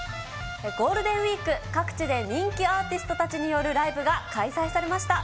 ゴールデンウィーク、各地で人気アーティストたちによるライブが開催されました。